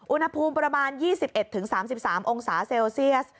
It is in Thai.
อุณหภูมิประมาณ๒๑๓๓องศาเซลเซียส